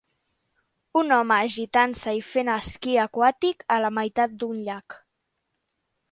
Un home agitant-se i fent esquí aquàtic a la meitat d'un llac.